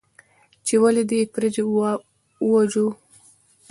، چې ولې دې فرج وواژه؟